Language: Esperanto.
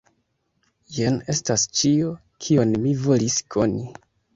Jen estas ĉio, kion mi volis koni.